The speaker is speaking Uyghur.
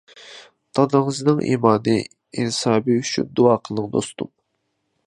دادىڭىزنىڭ ئىمانى، ئىنسابى ئۈچۈن دۇئا قىلىڭ دوستۇم!